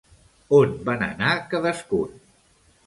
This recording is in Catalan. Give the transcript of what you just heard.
On van anar cadascun?